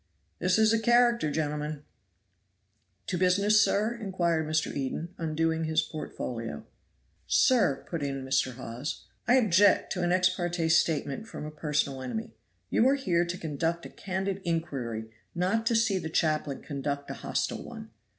"This is a character, gentlemen." "To business, sir?" inquired Mr. Eden, undoing his portfolio. "Sir," put in Mr. Hawes, "I object to an ex parte statement from a personal enemy. You are here to conduct a candid inquiry, not to see the chaplain conduct a hostile one.